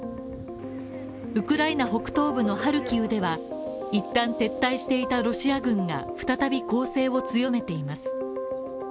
ウクライナ北東部のハルキウでは一旦撤退していたロシア軍が再び攻勢を強めていきます。